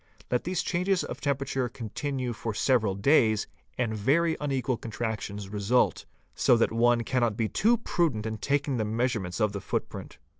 Let these changes of temper —| ature continue for several days and very unequal contractions result, so ~ that one cannot be too prudent in taking the measurements of the foot 4 print.